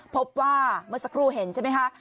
พบว่าเมื่อสักครู่เห็นใช่ไหมคะ